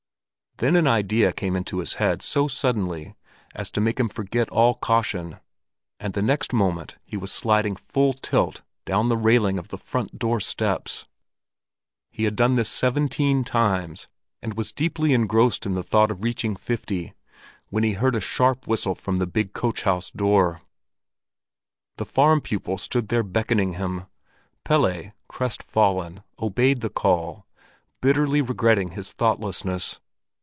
Then an idea came into his head so suddenly as to make him forget all caution; and the next moment he was sliding full tilt down the railing of the front door steps. He had done this seventeen times and was deeply engrossed in the thought of reaching fifty, when he heard a sharp whistle from the big coach house door. The farm pupil stood there beckoning him. Pelle, crestfallen, obeyed the call, bitterly regretting his thoughtlessness.